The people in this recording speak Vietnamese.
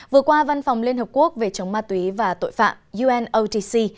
vừa qua văn phòng liên hợp quốc về chống ma túy và tội phạm unotc